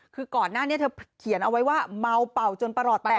คือก่อนหน้านี้เธอเขียนเอาไว้ว่าเมาเป่าจนประหลอดแตก